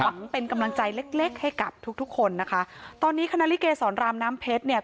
เป็นกำลังใจเล็กเล็กให้กับทุกทุกคนนะคะตอนนี้คณะลิเกสรรามน้ำเพชรเนี่ย